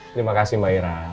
terima kasih mba ira